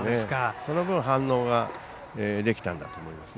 その分、反応ができたんだと思います。